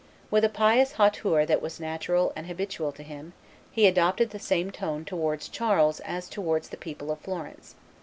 With a pious hauteur that was natural and habitual to him, he adopted the same tone towards Charles as towards the people of Florence.